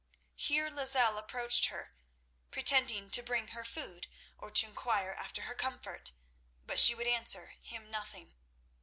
Here Lozelle approached her, pretending to bring her food or to inquire after her comfort, but she would answer him nothing.